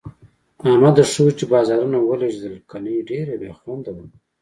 احمده! ښه وو چې بازارونه ولږېدل، گني ډېره بې خوندي وه.